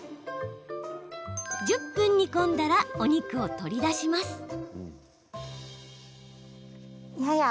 １０分煮込んだらお肉を取り出します。